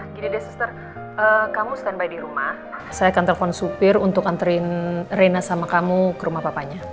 kamu standby di rumah saya akan telepon supir untuk anterin rena sama kamu ke rumah papanya